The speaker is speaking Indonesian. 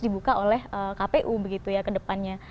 dibuka oleh kpu begitu ya ke depannya